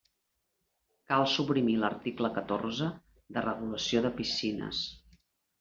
Cal suprimir l'article catorze de regulació de piscines.